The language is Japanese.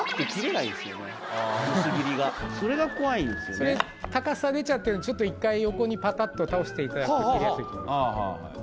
それ高さ出ちゃってるんでちょっと一回横にパタっと倒していただくと切りやすいと思います。